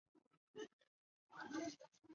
陕西蒲城人。